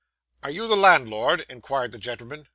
'Are you the landlord?' inquired the gentleman.